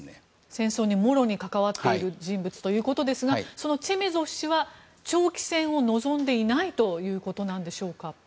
戦争にもろに関わっている人物ということですがそのチェメゾフ氏は長期戦を望んでいないということなんでしょうか。